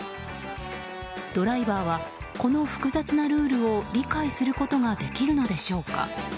ドライバーはこの複雑なルールを理解することができるのでしょうか？